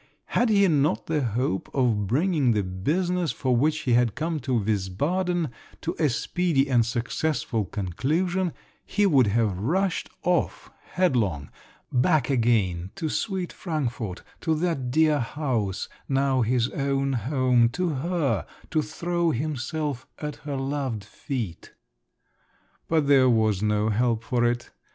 Had he not the hope of bringing the business, for which he had come to Wiesbaden, to a speedy and successful conclusion, he would have rushed off headlong, back again, to sweet Frankfort, to that dear house, now his own home, to her, to throw himself at her loved feet…. But there was no help for it!